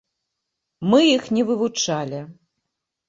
Мы іх не вывучалі.